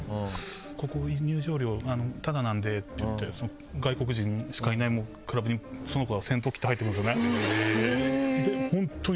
「ここ入場料タダなんで」って言って外国人しかいないクラブにその子が先頭切って入っていくんですよねで本当に。